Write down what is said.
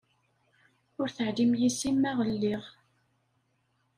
Ur teεlim yess-i ma lliɣ.